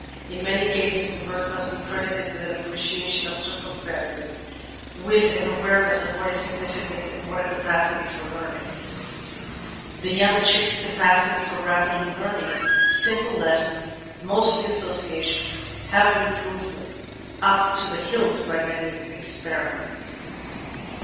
In many cases the bird must be credited with an appreciation of circumstances, with an awareness of what is significant, and with a capacity for learning. The young chick's capacity for rapidly learning simple lessons, mostly associations, has been proved up to the hilt by many experiments.